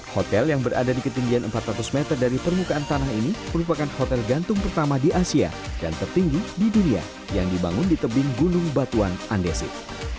hotel yang berada di ketinggian empat ratus meter dari permukaan tanah ini merupakan hotel gantung pertama di asia dan tertinggi di dunia yang dibangun di tebing gunung batuan andesit